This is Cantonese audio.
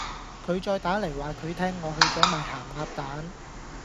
佢再打黎話佢聽我去左賣咸鴨蛋